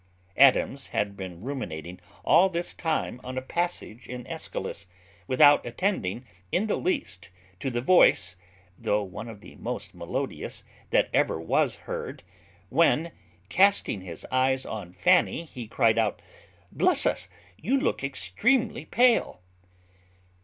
Adams had been ruminating all this time on a passage in Aeschylus, without attending in the least to the voice, though one of the most melodious that ever was heard, when, casting his eyes on Fanny, he cried out, "Bless us, you look extremely pale!"